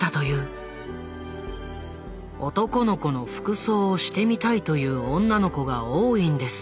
「男の子の服装をしてみたいという女の子が多いんです。